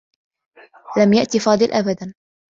لم يأت فاضل أبدا.